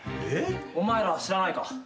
えっ？お前ら知らないか。